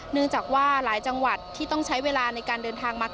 เนื่องจากว่าหลายจังหวัดที่ต้องใช้เวลาในการเดินทางมา